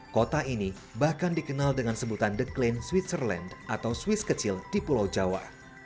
kota ini bahkan dikenal dengan sebutan the clean switcherland atau swiss kecil di pulau jawa